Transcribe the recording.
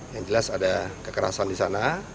yang jelas ada kekerasan di sana